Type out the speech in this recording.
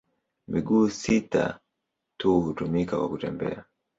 Miguu sita tu hutumika kwa kutembea.